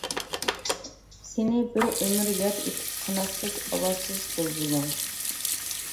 سېنى بىر ئۆمۈر ياد ئېتىپ قاناتسىز، ئاۋازسىز بۇلبۇلۇڭ!